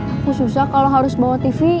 aku susah kalau harus bawa tv